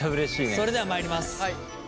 それではまいります。